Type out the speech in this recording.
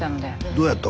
どうやった？